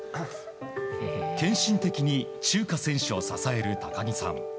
献身的にチューカ選手を支える高木さん。